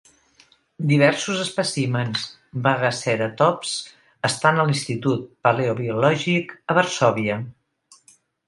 Diversos espècimens "Bagaceratops" estan a l'institut Paleobiològic a Varsòvia.